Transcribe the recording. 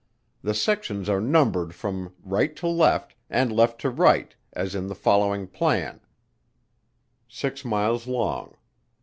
The sections are numbered from right to left, and left to right, as in the following plan: six miles long.